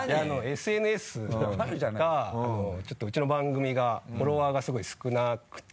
ＳＮＳがちょっとうちの番組がフォロワーがすごい少なくて。